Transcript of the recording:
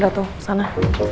udah tuh sana